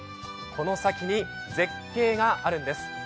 この先に絶景があるんです。